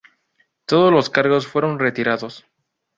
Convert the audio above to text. Todos los cargos fueron retirados.